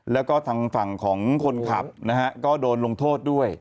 แล้วก็ทางฝั่งของคนขับนะฮะก็โดนลงโทษด้วย